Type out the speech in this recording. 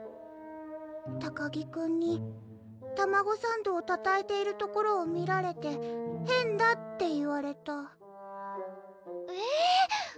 高木くんに卵サンドをたたえているところを見られて「変だ」って言われたえぇ！